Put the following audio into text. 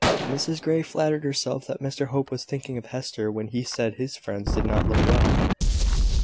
Mrs Grey flattered herself that Mr Hope was thinking of Hester when he said his friends did not look well.